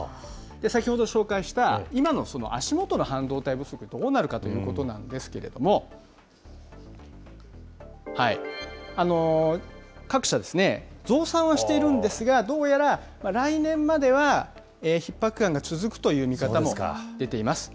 先ほど紹介した、今の足元の半導体不足、どうなるかということなんですけれども、各社、増産はしているんですが、どうやら来年までは、ひっ迫感が続くという見方も出ています。